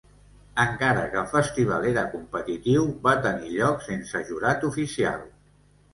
Encara que el festival era competitiu va tenir lloc sense jurat oficial.